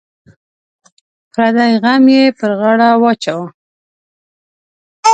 پردی غم یې پر غاړه واچوه.